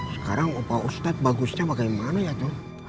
sekarang opa ustad bagusnya bagaimana ya tuh